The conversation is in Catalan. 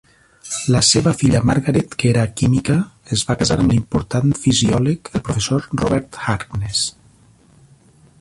La seva filla Margaret, que era química, es va casar amb l'important fisiòleg, el professor Robert Harkness.